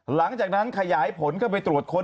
หลังจากนั้นขยายผลเข้าไปตรวจค้น